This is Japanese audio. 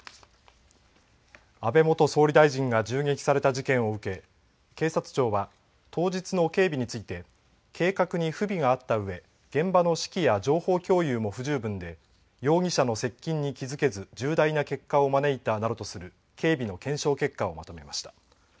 安倍元総理大臣が銃撃された事件を受け警察庁は当日の警備について計画に不備があったうえ現場の指揮や情報共有も不十分で容疑者の接近に気付けず重大な結果を招いたなどとする警備の検証結果をまとめました。